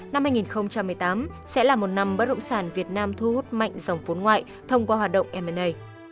năm hai nghìn một mươi tám sẽ là một năm bất động sản việt nam thu hút mạnh dòng vốn ngoại thông qua hoạt động m a